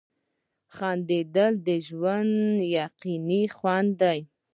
• خندېدل د ژوند حقیقي خوند دی.